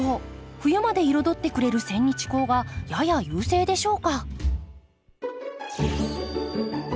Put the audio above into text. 冬まで彩ってくれるセンニチコウがやや優勢でしょうか。